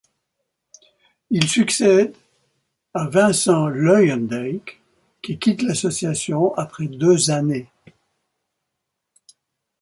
Il succède à Vincent Luyendijk, qui quitte l'association après deux années.